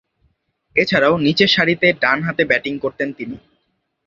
এছাড়াও, নিচেরসারিতে ডানহাতে ব্যাটিং করতেন তিনি।